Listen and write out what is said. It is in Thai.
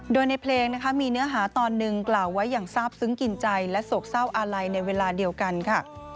โดยในเพลงนะคะมีเนื้อหาตอนหนึ่งกล่าวไว้อย่างทราบซึ้งกินใจและโศกเศร้าอาลัยในเวลาเดียวกันค่ะ